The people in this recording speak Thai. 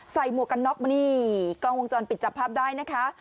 หมวกกันน็อกมานี่กล้องวงจรปิดจับภาพได้นะคะ